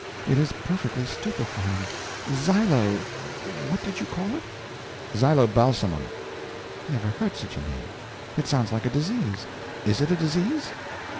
It is perfectly stupefying. Zylo—what did you call it?" "Zylobalsamum." "I never heard such a name: It sounds like a disease. Is it a disease?"